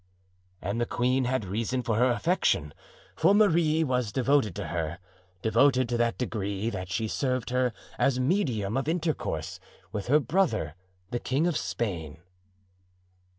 "And the queen had reason for her affection, for Marie was devoted to her—devoted to that degree that she served her as medium of intercourse with her brother, the king of Spain."